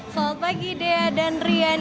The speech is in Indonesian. selamat pagi dea dan rian